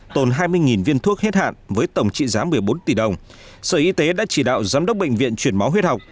tồn hai mươi viên thuốc hết hạn với tổng trị giá một mươi bốn tỷ đồng sở y tế đã chỉ đạo giám đốc bệnh viện chuyển máu huyết học